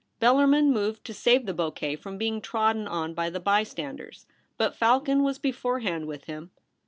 Bellarmin moved to save the bouquet from being trodden on by the bystanders, but Falcon was before hand with him.